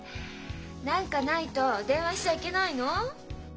何かないと電話しちゃいけないの？